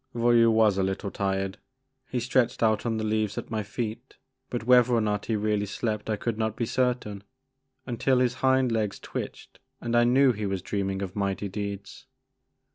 Voyou was a little tired. He stretched out on the leaves at my feet but whether or not he really slept I could not be certain, until his hind legs twitched and I knew he was dreaming of mighty deeds.